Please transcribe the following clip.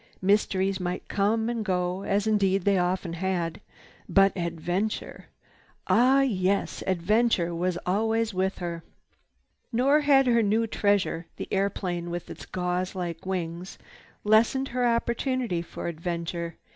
Mysteries might come and go, as indeed they often had, but adventure! Ah yes, adventure was always with her. Nor had her new treasure, the airplane with its gauze like wings, lessened her opportunity for adventure.